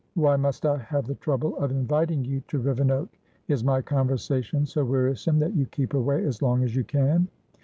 "Why must I have the trouble of inviting you to Rivenoak? Is my conversation so wearisome that you keep away as long as you can?"